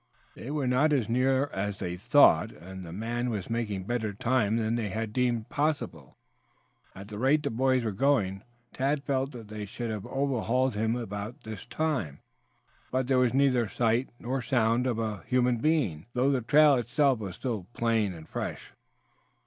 They were not as near as they thought, and the man was making better time than they had deemed possible. At the rate the boys were going Tad felt that they should have overhauled him at about this time, but there was neither sight nor sound of a human being, though the trail itself was still plain and fresh.